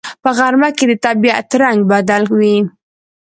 په غرمه کې د طبیعت رنگ بدل وي